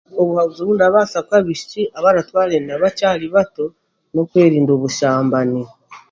Obuhabuzi obu ndikubaasa kuha abaishiki abaratwara enda bakyari bato